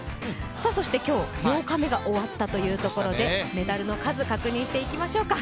今日、８日目が終わったところでメダルの数、確認していきましょうか。